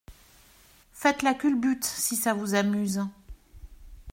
Faites la culbute, si ça vous amuse.